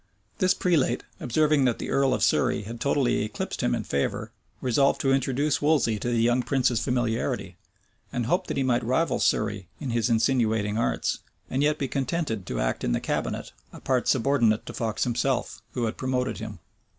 [*] This prelate, observing that the earl of Surrey had totally eclipsed him in favor, resolved to introduce Wolsey to the young prince's familiarity; and hoped that he might rival Surrey in his insinuating arts, and yet be contented to act in the cabinet a part subordinate to Fox himself, who had promoted him.